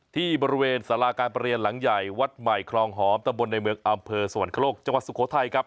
ที่บริเวณสาราการประเรียนหลังใหญ่วัดใหม่คลองหอมตะบนในเมืองอำเภอสวรรคโลกจังหวัดสุโขทัยครับ